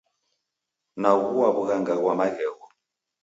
Naghua w'ughanga ghwa maghegho